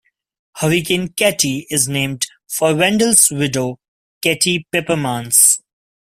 Hurricane Katty is named for Randles' widow, Katty Pepermans.